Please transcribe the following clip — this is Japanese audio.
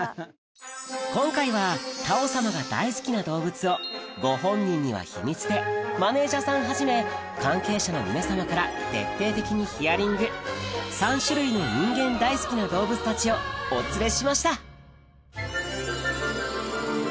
今回は太鳳様が大好きな動物をご本人には秘密でマネジャーさんはじめ関係者の皆様から徹底的にヒアリング３種類の人間大好きな動物たちをお連れしました